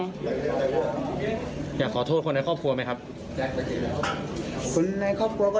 อยากขอโทษคนในครอบครัวไหมครับ